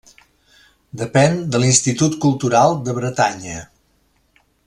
Depèn de l'Institut Cultural de Bretanya.